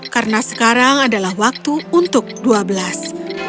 karena sekarang adalah waktu untuk dua belas